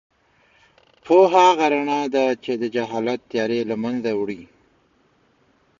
پوهه هغه رڼا ده چې د جهالت تیارې له منځه وړي.